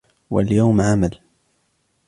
وَالْيَوْمُ عَمَلٌ